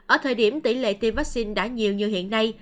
ở thời điểm tỷ lệ tiêm vaccine đã nhiều như hiện nay